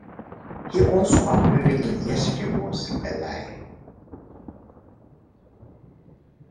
He also appeared in "Yesterday Was a Lie".